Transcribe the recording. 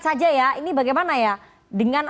saja ya ini bagaimana ya dengan